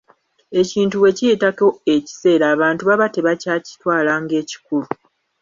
Ekintu bwe kiyitako ekiseera abantu baba tebakyakitwala ng’ekikulu.